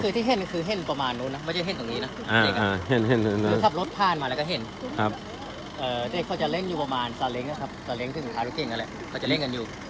คือขับรถไทยของนั้นถูกห้าม